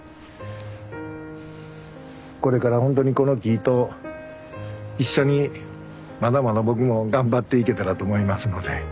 これからほんとにこの木と一緒にまだまだ僕も頑張っていけたらと思いますので。